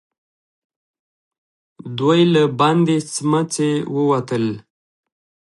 دوئ له بندې سمڅې ووتل.